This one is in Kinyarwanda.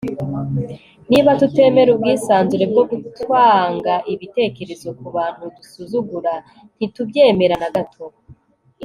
niba tutemera ubwisanzure bwo gutanga ibitekerezo ku bantu dusuzugura, ntitubyemera na gato